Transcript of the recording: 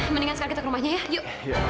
mendingan sekarang kita ke rumahnya ya yuk